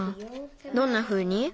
どんなふうに？